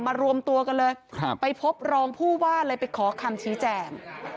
รวมตัวกันเลยไปพบรองผู้ว่าเลยไปขอคำชี้แจง